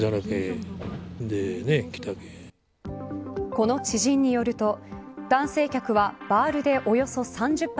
この知人によると男性客はバールでおよそ３０発